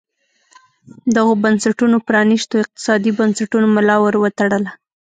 دغو بنسټونو پرانیستو اقتصادي بنسټونو ملا ور وتړله.